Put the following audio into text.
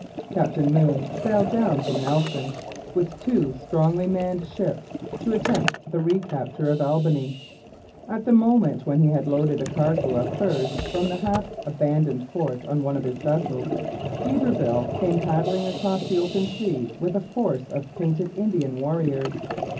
Captain Moon sailed down from Nelson, with two strongly manned ships, to attempt the recapture of Albany. At the moment when he had loaded a cargo of furs from the half abandoned fort on one of his vessels, d'Iberville came paddling across the open sea with a force of painted Indian warriors.